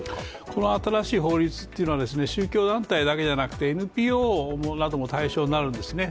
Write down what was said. この新しい法律っていうのは宗教団体だけじゃなくてＮＰＯなども対象になるんですね。